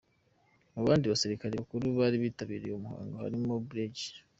Mu bandi basirikare bakuru bari bitabiriye uwo muhango harimo Brig.